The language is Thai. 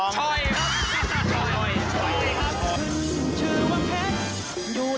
ถอยครับ